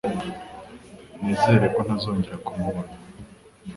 Nizere ko ntazongera kumubona.